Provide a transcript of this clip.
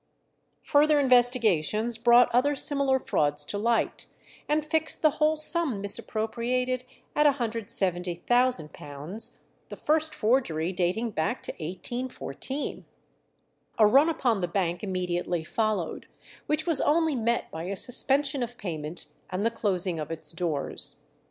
Further investigations brought other similar frauds to light, and fixed the whole sum misappropriated at £170,000, the first forgery dating back to 1814. A run upon the bank immediately followed, which was only met by a suspension of payment and the closing of its doors.